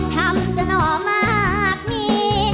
ทำสนอมากมี